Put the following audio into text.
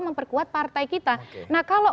memperkuat partai kita nah kalau